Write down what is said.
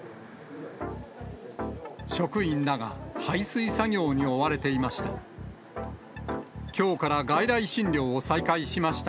職員らが排水作業に追われていました。